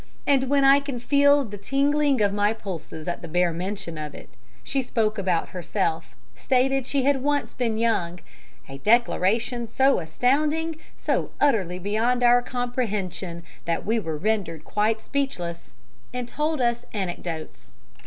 And when I can feel the tingling of my pulses at the bare mention of it she spoke about herself, stated she had once been young a declaration so astounding, so utterly beyond our comprehension, that we were rendered quite speechless and told us anecdotes.